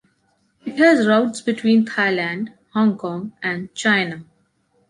It has routes between Thailand, Hong Kong, and China.